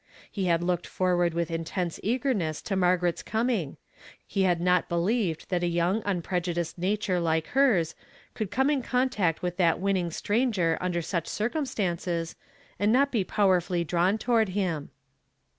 lie liad looked forward Math in tense eagerness to ^largaret's coming ; he had not believed that a young unprejudiced nature like Jiers could come in contact with that winning sti .mger under such circumstances, and not be powerfully drawn toward him.